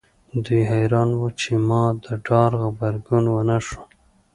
دوی حیران وو چې ما د ډار غبرګون ونه ښود